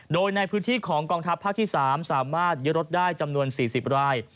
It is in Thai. โดยในพื้นที่ของกองทัพภาคที่๓สามารถยึดรถได้จำนวน๔๐ราย